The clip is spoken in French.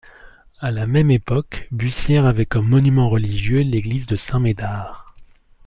À la même époque, Bussières avait comme monument religieux l'église de Saint-Médard.